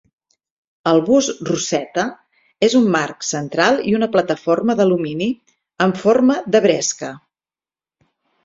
El bus "Rosetta" és un marc central i una plataforma d'alumini amb forma de bresca.